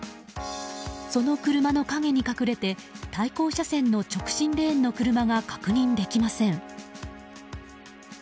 その車の陰に隠れて対向車線の直進レーンの車が確認できません。